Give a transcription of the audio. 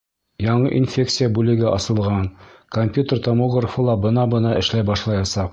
Яңы инфекция бүлеге асылған, компьютер томографы ла бына-бына эшләй башлаясаҡ.